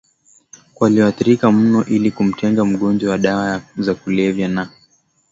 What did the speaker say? kwa walioathirika mno ili kumtenga mgonjwa na dawa za kulevya na